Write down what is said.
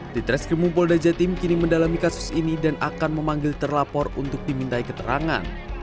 di treskrimum polda jatim kini mendalami kasus ini dan akan memanggil terlapor untuk dimintai keterangan